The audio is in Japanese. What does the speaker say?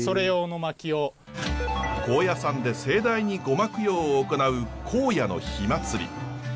高野山で盛大に護摩供養を行う高野の火まつり。